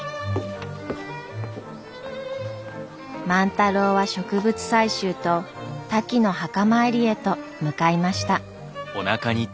万太郎は植物採集とタキの墓参りへと向かいました。